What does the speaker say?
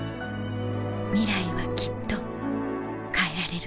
ミライはきっと変えられる